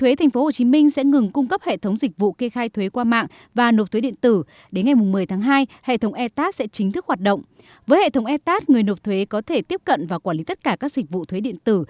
hồ chí minh triển khai dịch vụ thuế điện tử e tax có thể tiếp cận và quản lý tất cả các dịch vụ thuế điện tử